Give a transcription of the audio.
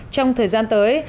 trong thời gian tới